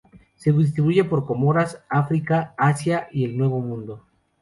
Se distribuye por Comoras, África, Asia y el Nuevo Mundo.